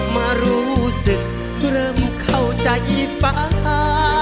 มารู้สึกเริ่มเข้าใจอีฟ้า